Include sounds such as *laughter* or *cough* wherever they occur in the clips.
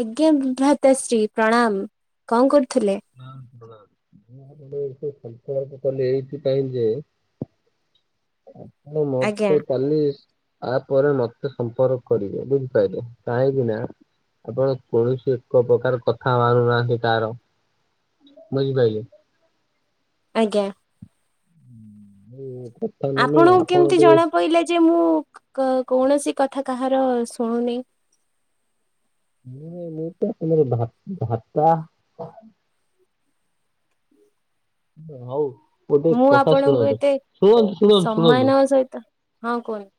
ଆଜ୍ଞା ଭ୍ରାତଶ୍ରୀ ପ୍ରଣାମ କଣ କରୁ ହଁ ବ ମୁଁ ଆପ ଏ ସଂପର୍କ କଲେ ଏଇଥିପାଇଁ ଯେ ହଁ ଆଜ୍ଞା ମତେ କାଲି ତା ପରେ ମତେ ତ ସମ୍ପର୍କ କରିବେ ବୁଝିପାରିଲେ କାହିଁକିନା ଆପଣ କୌଣସି ଏକ ପ୍ରକାର କଥା ମାରୁନାହାନ୍ତି ତାର ମଝି ଭାଇିଲ ଆଜ୍ଞା ହଁ ହ ଆପଣଙ୍କୁ କେମିତି ଜଣା ପଡିଲା ଯେ ମୁଁ କୌଣସି କଥା କାହାର ଶୁଣୁନି ମୁ ମୁଁ ଭା ହଉ ଗୋଟେ ମୁଁ କଥା ଆପଣଙ୍କୁ ଶୁଣନ୍ତୁ ଏତେ ଶୁଣନ୍ତୁ ଶୁଣନ୍ତୁ ସମ୍ମାନ ଶୁଣନ୍ତୁ ସହିତ ହଁ କୁହନ୍ତୁ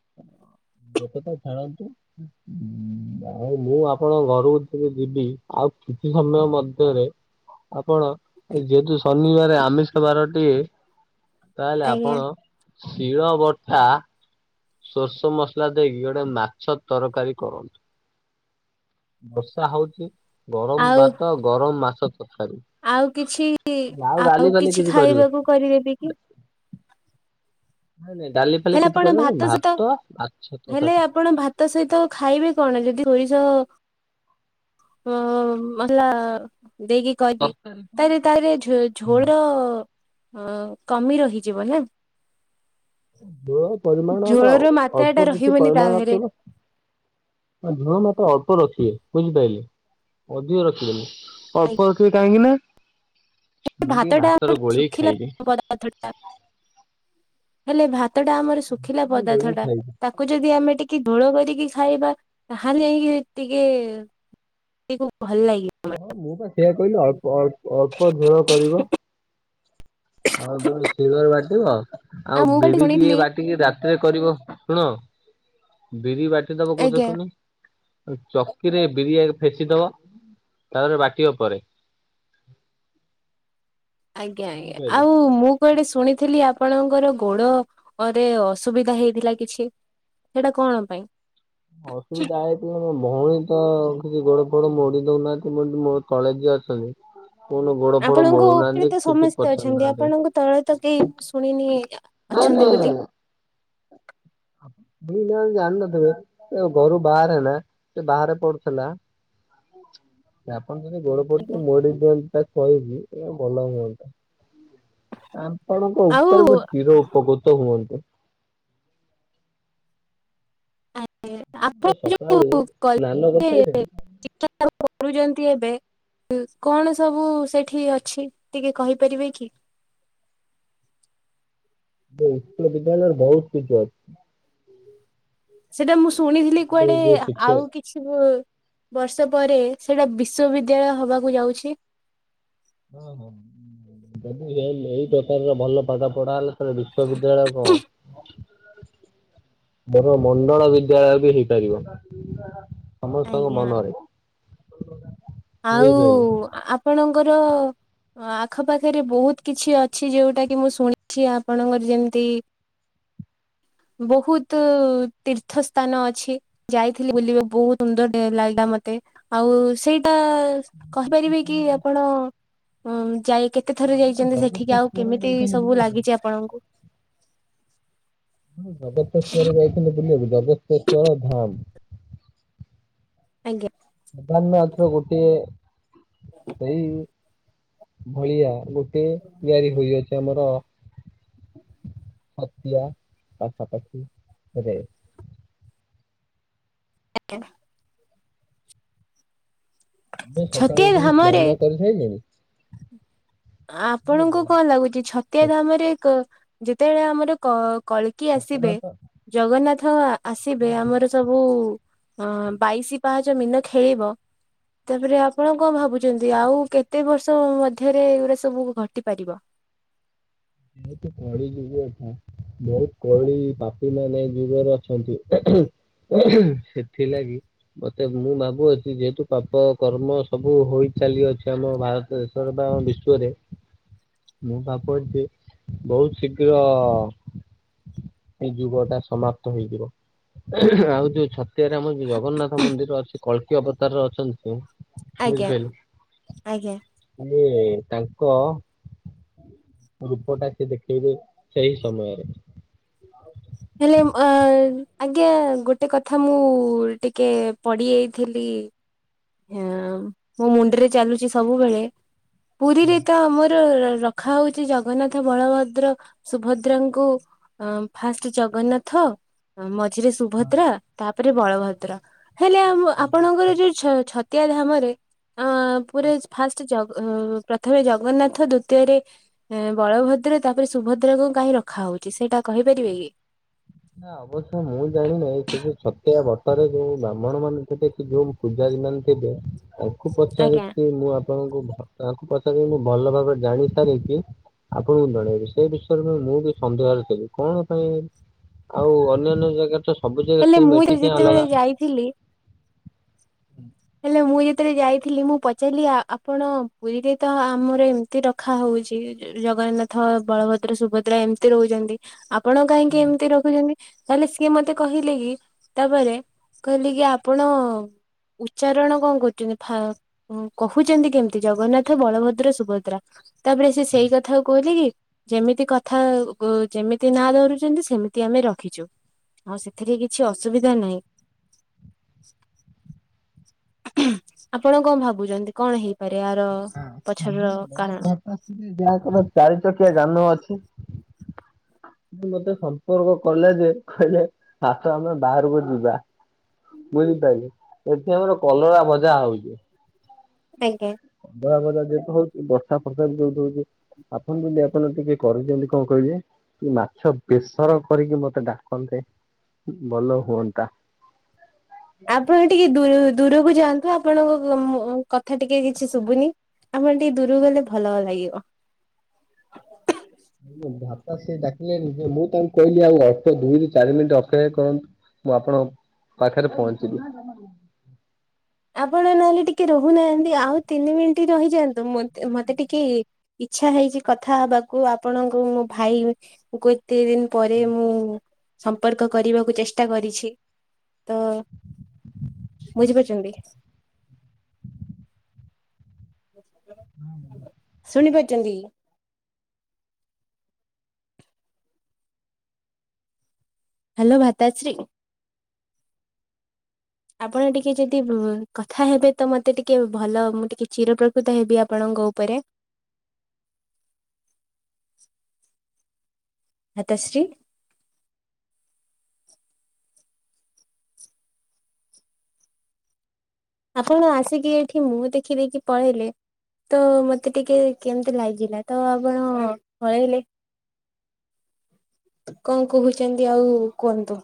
ଏବେ ତ ଛାଣନ୍ତୁ ଆଉ ମୁଁ ଆପଣ ଘରକୁିତି ଯିବି ଆଉ କିଛି ସମୟ ମଧ୍ୟରେ ଆପଣ ଏ ଯେହେତୁ ଶନିବାର ଆମିଷ ବାରଟିଏ ତାହେଲେ ଆଜ୍ଞା ଆପଣ ଶିଳ ବର୍ଷା ସୋଷ ମସଲା ଦେଇକି ଗୋଟେ ମାଛ ତରକାରୀ କରନ୍ତୁ ବର୍ଷା ହଉଚ ଗରମ ଆଉ ଭାତ ଗରମ ମାସ ତ ଆଉ କିଛି ଆଉ ଡାଲି ଫାଲି କିଛି କରିବେ ଖାଇବାକୁ କରିଦେବି କି ନାଇଁ ନାଇଁ ଡାଲି ଫାଲି ହେଲେ କିଛି ଆପଣ କରିବେନି ଭାତ ସହିତ ମାଛ ହେଲେ ତରକାରୀ। ଆପଣ ଭାତ ସହିତ ଖାଇବେ କଣ ଯଦି ହୋଇଯାଅ ଅ ମଲ ଦେଇକି କହିବି ତାହେଲେ ତାର ଝୋର ହ କମି ରହିଯିବ ନା ଦେଳ ପରିମାଣର ଆଉ ଝୋଳର ମାତ୍ରା ଟା ଅଳ୍ପ କିଛି ରହିବନି ତା ପରିମାଣ ଦେହରେ ନଥିବ ନା ଧୂଆଁ ମ ତ ଅଳ୍ପ ର ଅଛି ବୁଝିପାରଲିି ଅଧିକ ରଖିଦଲି ଅଳ୍ପ ରଖିବେ କାହିଁକି ନା ମୁଁ ଟିକେ ଭାତଟା ଭାତରେ ଆମର ଗୋଳେଇକି ଶୁଖିଲା ଖାଇବି। ପଦାର୍ଥଟା ହେଲେ ଭାତ ଟା ଆମର ଶୁଖିଲା ପଦାର୍ଥ ଗୋଳେଇକି ଟା ଖାଇବି ତାକୁ ଯଦି ଆମେ ଟିକେ ଧୋଳ କରି ଖାଇବା ହାନି ହେଇକି ଟିକେ ଟ ହଁ ମୁଁ ତ ଠିଆ କହିଲି ଅଳ୍ପ ଅଳ ଅଳ୍ପ ଦର କରିବ ଆଉ ତୋେ ଶିଳରେ ବାଟିବ ଆଉ ଆଉ ମୁଁ ଗୋଟେ ବିରି ଟଏ ଶୁଣିଥିଲି ବାଟିକି ରାତିରେ କରିବ ଶୁଣ ବିରି ବାଟି ଫଦବ କୋଉ ଆଜ୍ଞା ଦେଖୁନି ଚକିରେ ବିରିଆ ଫେସିଦବ ତାପରେ ବାଟିବା ପରେ ଆଜ୍ଞା ଆଜଞା ବୁଝିପାରିଲେ। ଆଉ ମୁଁ କୁଆଡେ ଶୁଣିଥିଲି ଆ ଆପଣଙ୍କର ଗୋଡରେ ଅସୁବିଧା ହେଇଥିଲା କିଛି ସେଇଟା କଣ ପାଇଁ ଅସୁବିଧା ହେଲେ ମ ଭଉଣୀ ତ କିଛି ଗୋଡ ଫୋଡ ମୋଡି ଦଉନାହାନ୍ତି ମୋ ତଳେ ଯିଅ ଅଛନ୍ତି କୁଣ ଗୋଡ ଫୋଡ ଆପଣଙ୍କ ଉପରେ ମଳୁନାହାନ୍ତି ତ କିଛି ସମସ୍ତେ ପଚାରୁ ଅଛନ୍ତି ନାହାନ୍ତି ଆପଣଙ୍କ ତଳେ ତ କେହି ମୁଁ ଶୁଣିନି ଅଛନ୍ତି ବୋଲି ନା ଚାାଣ୍ଡଦ ଘରୁ ବାହାର ହେଲା ସେ ବାହାରେ ପଡୁଥିଲା କଣ ଯଦି ଗୋଡ ପଟ ମୋଡି ଦିଅନ୍ତି ତା କହିବି ଏଇ ଭଲ ହୁଅନ୍ତା ଆପଣଙ୍କ ଆଉ ଉପରେ ମୋ କ୍ଷୀର ଉପକୃତ ହୁଅନ୍ତୁ ଆପଣ ମୁଁ ସକାଳେ ଯୋଉ ସ୍ନାନ କଲେ କରିସାଇଲେଣି? ଚା କରୁଛନ୍ତି ଏବେ କଣ ସବୁ ସେଠି ଅଛି ଟିକେ କହିପାରିବେ କି ଉଶକ ବିଦ୍ୟାଳୟର ବହୁତ କିଛିୁ ଅଛି ସେଟା ମୁଁ ଶୁଣିଥିଲି ମୁଁ କୁଆଡେ ଯୋଉ ଶିକ୍ଷକ ଆଉ କିଛି ବର୍ଷ ପରେ ସେଟା ବିଶ୍୍ୱବିଦ୍ୟାଳୟ ହବାକୁ ଯାଉଛି ହ ହଁ ଯଦି ଏଇ ବେପାରର ଭଲ ପାଠ ପଢା ହେଲା ବିଶ୍ୱବିଦ୍ୟାଳୟ କଣ ମୋର ମଣ୍ଡଳ ବିଦ୍ୟାଳୟ ବି ହେଇପାରିବ ସମସ୍ତଙ୍କ ଆଜ୍ଞା ମନରେ ଆଉ ବୁଝିପାରିଲେ। ଆପଣଙ୍କର ଆଖପାଖରେ ବହୁତ କିଛି ଅଛି ଯୋଉଟା କି ମୁଁ ଶୁଣିଛି ଆପଣଙ୍କର ଯେମିତି ବହୁତ ତୀର୍ଥ ସ୍ଥାନ ଅଛି ଯାଇଥିଲି ବୁଲିବା ବହୁତ ସୁନ୍ଦର ଲାଗିଲା ମତେ ଆଉ ସେଇଟା କହିପାରିବେ କି ଆପଣ ଯାଇ କେତେ ଥର ଯାଇଛନ୍ତି ସେଠିକି, ଆଉ ଜଗତେଶ୍ଵର କେମିତି ଯାଇଛନ୍ତି ସବୁ ବୁଲିବାକୁ? ଲାଗିଛି ଆପଣଙ୍କୁ? ହଁ ଜଗତେଶ୍ୱଵର ଯାଇଥିଲେ ବୁଲିବାକୁ ଜଗତେଶ୍ୱଵର ଧାମ । ଆଜ୍ଞା ପ୍ରଧାନାତ ଗୋଟିଏ ସେଇ ଭଳିଆ ଗୋଟେ ଆାରି ହୋଇଅଛି ଆମର ଛତିଆ ପାଖାପାଖି ରେ ହ *inaudible* ବା ସକାଳେ ଛତିଆ ଟିକି ଧାମରେ ସ୍ନାନ କରିସାରିଲେଣି *inaudible* ଆପଣଙ୍କୁ କଣ ଲାଗୁଛି ଛତିଆ ଧାମରେ କ ଯେତେବେଳେ ଆମର କ କଳକିି ଘଟଣା ଆସିବେ । ତ ଜଗନ୍ନାଥ ଆସିବେ ଆମର ସବୁ ଅ ବାଇଶି ପାହାଚ ମୀନ ଖେଳିବ ତାପରେ ଆପଣ କଣ ଭାବୁଛନ୍ତି ଆଉ କେତେ ବର୍ଷ ମଧ୍ୟରେ ଏଇ ଗୁଡା ଏ ସବୁକୁ ଘଟି ପାରିବ । ଯେହେତୁ କଳି ଯୁଗ କଥା ବହୁତ କଳି ପାପି ଏ ମାନେ ଯୁଗରେ ଅଛନ୍ତି । ସେଥିଲାଗି ମତେ ମୁଁ ଭାବୁଅଛି ଯେହେତୁ ପାପ କର୍ମ ସବୁ ହେଉଛି । ଚାଲି ଅଛି ଆମ ଭାରତ ଦେଶରେ ବା ଆମ ବିଶ୍ଵରେ ମୁଁ ଭାବୁ ଅଛି ବହୁତ ଶୀଘ୍ର ଏଇ ଯୁଗ ଟା ସମାପ୍ତ ହେଇଯିବ ଆଉ ଯୋଉ ଛ ଏଥିରେ ଆମର ଜଗନ୍ନାଥ ମନ୍ଦିର ଅଛି କଳକି ଅବତାରରେ ଅଛନ୍ତି ସେ । ଆଜ୍ଞା ବୁଝିପାରିଲି ଆଜ୍ଞା। ତାଙ୍କ ରୂପଟା ସେ ଦେଖେଇବେ ସେଇ ସମୟରେ । ହେଲେ ଅ ଆଜ୍ଞା ଗୋଟେ କଥା ମୁଁ ଟିକେ ପଡିଯାଇ ଥିଲି ୟଁ ମୋ ମୁଣ୍ଡରେ ଚାଲୁଛି ସବୁବେଳେ, ପୁରୀରେ ତ ଆମର ରଖା ହଉଛି ଜଗନ୍ନାଥ ବଳଭଦ୍ର ସୁଭଦ୍ରାଙ୍କୁ ଫାଷ୍ଟ ଜଗନ୍ନାଥ ମ ମଝିରେ ସୁଭଦ୍ରା ତାପରେ ବଳଭଦ୍ର ହେଲେ ଆମ ଆପଣଙ୍କର ଯୋଉ ଛ ଛତିଆ ଧାମରେ ଅ ପୁରା ଫାଷ୍ଟ ଜଗ ପ୍ରଥମେ ଜଗନ୍ନାଥ ଦ୍ଵିତୀୟରେ ବଳଭଦ୍ର ଦ୍ର ତାପରେ ସୁଭଦ୍ରାକୁ କାହିଁ ରଖାହଉଛି ସେଇଟା କହିପାରିବେ କି? ନା ଅବଶ୍ୟ ମୁଁ ଜାଣିନହିଁ ସେ ଯୋଉ ଛତିଆ ବଟରେ ଯୋଉ ବ୍ରାହ୍ମଣ ମାନେ ଥିବେ ଯୋଉ ପୂଜା େ ତାକୁ ପଚାରି ଆଜ୍ଞା ମୁଁ *unintelligible* ଆପଣଙ୍କୁ ତାଙ୍କୁ ପଚାରି ମୁ ଭଲ ଭାବରେ ଜାଣି ସାରିକି *unintelligible* ଆପଣଙ୍କୁ ଜଣେଇବି ସେ ବିଷୟରେ ମୁ ମୁଁ ବି ସନ୍ଦେହରେ ଥିଲି କଣ ପାଇଁ ଆଉ ଅନ୍ୟାନ୍ୟ ଜାଗାରେ ତ ସବୁ ଜାଗା ହେଲେ ସେମ ମୁଁ ଏଠିକାଇ ଯେତେବେଳେ ଅଲଗା? ଯାଇଥିଲି ହେଲେ ମୁଁ ଯେତେବେଳେ ଯାଇଥିଲି ମୁଁ ପଚାରିଲି ଆପଣ ପୁରୀରେ ତ ଆମର ଏମତି ରଖା ହଉ ଛି ଜଗନ୍ନାଥ ବଳଭଦ୍ର ସୁଭଦ୍ରା ଏମତି ରହୁଛନ୍ତି ଆ ଆପଣ କାହିଁକି ଏମିତି ରଖୁଛନ୍ତି? ତାହେଲେ ସିଏ ମତେ କହିଲେ କି ତାପରେ କହିଲେ କି ଆପଣ ଉଚ୍ଚାରଣ କଣ କରୁଛନ୍ତି ଥ କହୁଛନ୍ତି କେମିତି ଜଗନ୍ନାଥ, ବଳଭଦ୍ର, ସୁଭଦ୍ରା ତାପରେ ସେ ସେଇ କଥା କ କହିଲ କି ଯେମିତି କଥା ଯେମିତି ନା ଧରୁଛନ୍ତି ସେମିତି ଆମେ ଆ ରଖିଛୁ ଆଉ ସେଥିରେ କିଛି ଅସୁବିଧା ନାହିଁ । ଆପଣ କଣ ଭାବୁଛନ୍ତି କଣ ହେଇ ରଇଆ ପଛରର କାରଣ ଯାହାଙ୍କର ଚାରି ଚକିଆ । ଯାନ ଅଛି। ମତେ ସମ୍ପର୍କ କଲେ ଯେ କହିଲେ ଆସ ଆମେ ବାହାରକୁ ଯିବା ବୁଝିପାରିଲେ ଏଠି ଆମର କଲରା ଭଜା ହଉଛି । ଆଜ୍ଞା ବ ବଜା ଯେହେତୁ ହଉଛି ବର୍ଷା ଫର୍ଷା ବି ଯୋଉ ହଉଛି । ଆପଣ ଯଦି ଆପଣ ଟିକେ କରୁଛନ୍ତି କଣ କହିବେ? ମାଛ ବେସର କରିକି ମତେ ଡାକନ୍ତେ ଭଲ ହୁଅନ୍ତା! ଆପଣ ଟିକେ ଦୂରକୁ ଯାଆନ୍ତୁ, ଆପଣଙ୍କ କଥା ଟିକେ କିଛି ଶୁଭୁନି! ଆମର ଟିକେ ଦୂରକୁ ଗଲେ ଭଲ ଲାଗିବ। *unintelligible* ସେ ଡକିଲେନ ଯେ ମୁଁ କହିଲି ଆଉ ଅଳ ଦୁଇରୁ ଚାରି ମିନିଟ ଅକ୍ଷୟ କରନ୍ତୁ, ମୁଁ ଆପଣ ପାଥରେ ପହଞ୍ଚିଲି। ଆପଣ ନହେଲେ ଟିକେ ରହୁନାହାନ୍ତି, ଆଉ ତିନି ମିନିଟ ରହିଯାଆନ୍ତୁ ମତେ ଟିକେ ଇଚ୍ଛା ହେଇଛି କଥା ହବାକୁ ଆପଣଙ୍କୁ ମୋ ଭାଇ ଦତି ଦିନ ପରେ ମୁଁ ସମ୍ପର୍କ କରିବାକୁ ଚେଷ୍ଟା କରିଛି, ତ ବୁଝିପାରୁଛନ୍ତି? *inaudible* *inaudible* ଶୁଣି ପାରୁଚନ୍ତି? ହ୍ୟାଲୋ ଭାତାଶ୍ରୀ! ଆପଣ ଟିକେ ଯଦି କଥା ହେବେ ତ, ମତେ ଟିକେ ଭଲ ମୁଁ ଟିକେ ଚିର ପ୍ରକୃତ ହେବି ଆପଣ ଙ୍ଗ ଉପରେ! ଆ ହାତଶ୍ରୀ! ଆପଣ ଆସିକି ଏଇଠି ମୁଁ ଦେଖିଦଖି ପଢେଇଲେ ତ ମତେ ଟିକେ କେମିତି ଲାଗିଲା ତ ଆପଣ ପଳେଇଲେ ଆ କଣ କହୁଛନ୍ତି ଆଉ କୁହନ୍ତୁ?